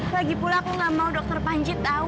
lagipula aku gak mau dokter panji tahu